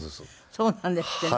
そうなんですってね。